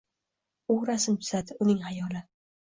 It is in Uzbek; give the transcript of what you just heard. U rasm chizadi – uning hayoli